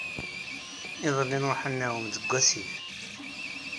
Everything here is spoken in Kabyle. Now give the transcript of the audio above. Iḍelli nruḥ ad nɛumm deg wasif.